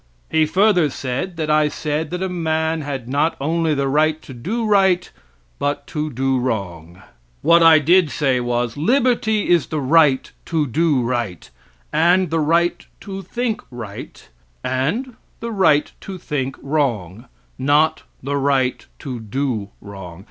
He further said that I said that a man had not only the right to do right, but to do wrong. What I did say, was: "Liberty is the right to do right, and the right to think right, and the right to think wrong," not the right to do wrong.